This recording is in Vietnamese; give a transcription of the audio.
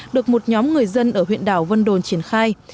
được một nhóm người dân ở huyện đảo vân đồn triển khai